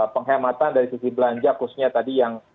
penghematan dari sisi belanja khususnya tadi yang